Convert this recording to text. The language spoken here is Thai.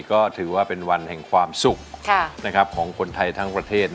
ก็ถือว่าเป็นวันแห่งความสุขของคนไทยทั้งประเทศ